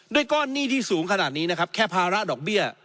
ก้อนหนี้ที่สูงขนาดนี้นะครับแค่ภาระดอกเบี้ย